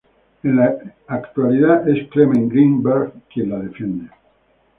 En la actualidad es Clement Greenberg quien la defiende.